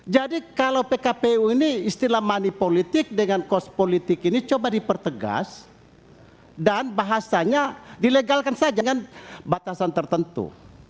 jadi kalau pkpu ini istilah manipolitik dengan kos politik ini coba dipertegas dan bahasanya dilegalkan saja dengan batasan tertentu